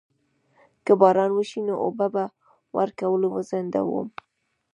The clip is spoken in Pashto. که باران وشي نو اوبه ورکول وځنډوم؟